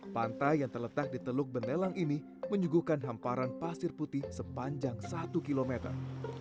pantai yang terletak di teluk benelang ini menyuguhkan hamparan pasir putih sepanjang satu kilometer